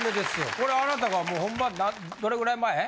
これあなたがもうほんまどれぐらい前？